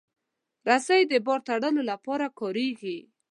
رسۍ د بار تړلو لپاره کارېږي.